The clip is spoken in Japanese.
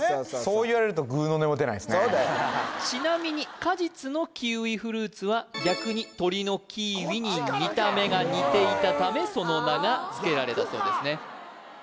そう言われるとちなみに果実のキウイフルーツは逆に鳥のキーウィに見た目が似ていたためその名が付けられたそうですね